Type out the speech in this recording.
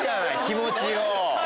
気持ちを。